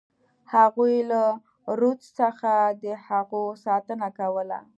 هغوی له رودز څخه د هغو ساتنه کوله.